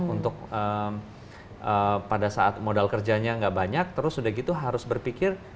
untuk pada saat modal kerjanya nggak banyak terus udah gitu harus berpikir